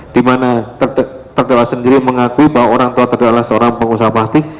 di mana terdakwa sendiri mengakui bahwa orang tua terdakwa seorang pengusaha plastik